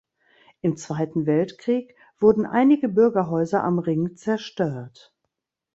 Im Zweiten Weltkrieg wurden einige Bürgerhäuser am Ring zerstört.